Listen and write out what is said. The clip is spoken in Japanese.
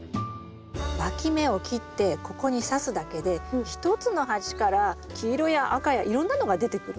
わき芽を切ってここにさすだけで１つの鉢から黄色や赤やいろんなのが出てくる。